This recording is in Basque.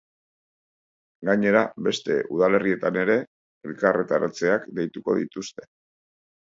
Gainera, beste udalerrietan ere elkarretaratzeak deituko dituzte.